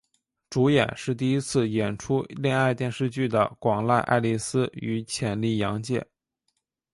主演是第一次演出恋爱电视剧的广濑爱丽丝与浅利阳介。